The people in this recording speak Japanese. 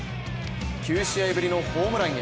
９試合ぶりのホームランへ。